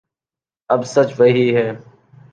اب سچ وہی ہے